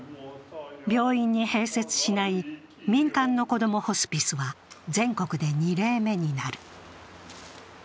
病院に併設しない民間のこどもホスピスは全国で２例目になる。